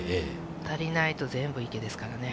足りないと、全部、池ですからね。